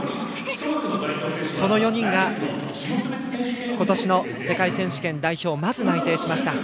この４人が今年の世界選手権代表にまず内定しました。